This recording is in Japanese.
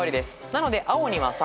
なので青には「さ」